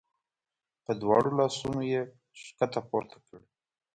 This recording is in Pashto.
په دواړو لاسونو یې ښکته پورته کړ.